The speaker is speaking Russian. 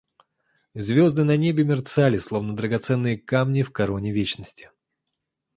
Звезды на небе мерцали, словно драгоценные камни в короне вечности.